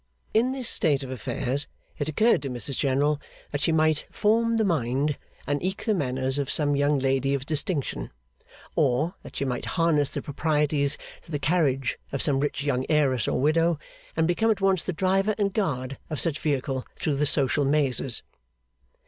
In this state of affairs it occurred to Mrs General, that she might 'form the mind,' and eke the manners of some young lady of distinction. Or, that she might harness the proprieties to the carriage of some rich young heiress or widow, and become at once the driver and guard of such vehicle through the social mazes.